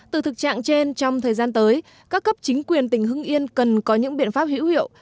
từ thực trạng trên trong thời gian tới các cấp chính quyền tỉnh hưng yên cần có những biện pháp hữu hiệu